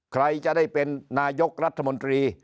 ใครจะได้เป็นนายกรัฐมนตรี